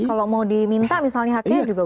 kalau mau diminta misalnya haknya juga